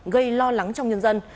gây lo lắng trong nhân dân